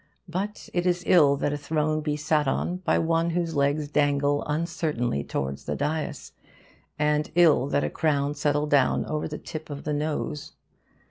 But it is ill that a throne be sat on by one whose legs dangle uncertainly towards the dais, and ill that a crown settle down over the tip of the nose.